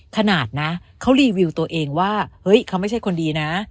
ขนาดนะเขารีวิวตัวเองว่าเฮ้ยเขาไม่ใช่คนดีนะ